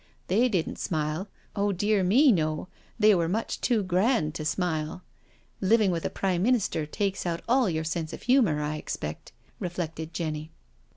They, didn't smile. — Oh, dear me no — they were much too grand to smile I Living with a Prime Minister takes out all your sense of humour, I expect," reflected Jenny.